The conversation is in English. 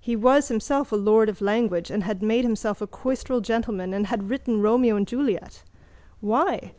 He was himself a lord of language and had made himself a coistrel gentleman and he had written Romeo and Juliet. Why?